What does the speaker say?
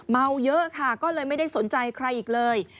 เมาเยอะค่ะก็เลยไม่ได้สนใจใครอีกเลย